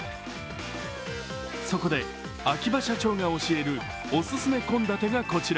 そこで秋葉社長が教えるお勧め献立がこちら。